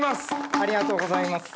ありがとうございます。